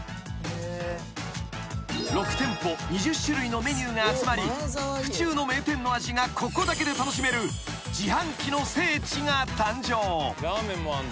［６店舗２０種類のメニューが集まり府中の名店の味がここだけで楽しめる自販機の聖地が誕生］